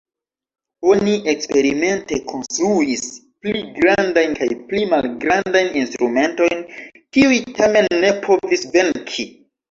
Oni eksperimente konstruis pli grandajn kaj pli malgrandajn instrumentojn, kiuj tamen ne povis venki.